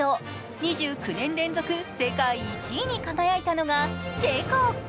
２９年連続世界１位に輝いたのがチェコ。